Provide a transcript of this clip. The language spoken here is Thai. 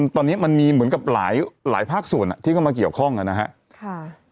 ตอนนี้มันมีเหมือนกับหลายภาคส่วนที่เข้ามาเกี่ยวข้องนะครับ